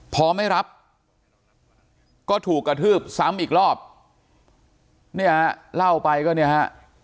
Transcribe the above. พอไม่รับก็ถูกกระทืบซ้ำอีกรอบเนี่ยเล่าไปก็เนี่ยฮะ